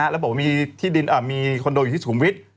แล้วบอกมีค้นโดอยู่ที่สุมวิท